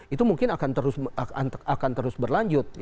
itu mungkin akan terus berlanjut